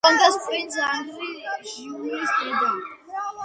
კონდეს პრინც ანრი ჟიულის დედა.